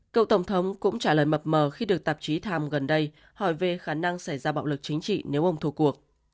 cậu tổng thống cũng trả lời mập mờ khi được tạp chí tham gần đây hỏi về khả năng xảy ra bạo lực chính trị nếu ông thua cuộc